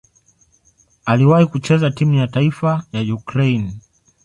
Aliwahi kucheza timu ya taifa ya Ukraine.